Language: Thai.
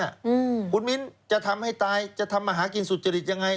อืมคุณมิ้นจะทำให้ตายจะทำมาหากินสุจริตยังไง